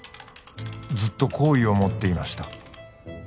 「ずっと好意を持っていました」